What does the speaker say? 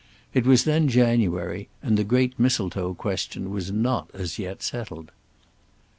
It was then January, and the great Mistletoe question was not as yet settled.